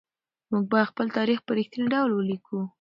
موږ بايد خپل تاريخ په رښتيني ډول ولېکو.